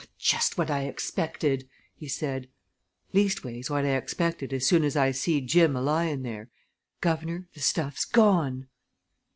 "Just what I expected!" he said. "Leastways, what I expected as soon as I see Jim a lying there. Guv'nor, the stuff's gone!"